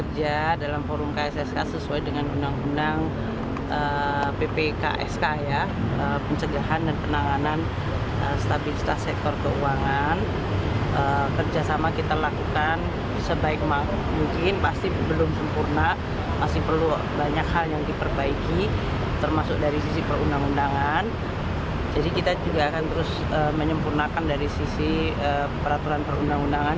jadi kita juga akan terus menyempurnakan dari sisi peraturan perundangan